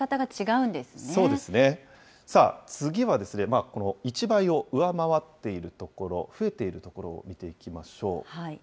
次は、この１倍を上回っている所、増えている所を見ていきましょう。